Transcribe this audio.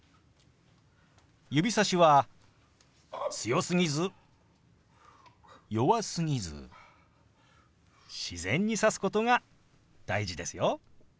指さしは強すぎず弱すぎず自然に指すことが大事ですよ。